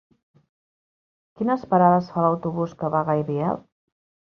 Quines parades fa l'autobús que va a Gaibiel?